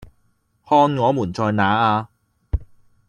看我們在那呀？